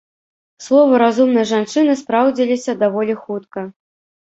Словы разумнай жанчыны спраўдзіліся даволі хутка.